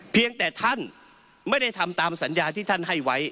เพียงแต่ท่านไม่ได้ทำตามสัญญาที่ท่านให้ไว้